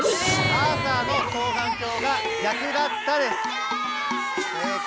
「アーサーの双眼鏡が逆だった」です。